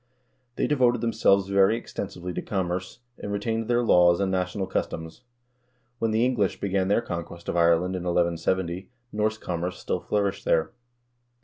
They devoted themselves very extensively to commerce, and retained their laws and national cus toms. When the English began their conquest of Ireland in 1170, Norse commerce still flourished there.